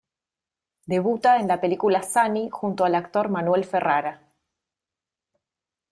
Debuta en la película "Sunny" junto al actor Manuel Ferrara.